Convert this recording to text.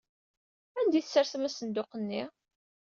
Anda ay tessersem asenduq-nni?